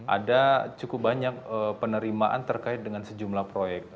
ada cukup banyak penerimaan terkait dengan sejumlah proyek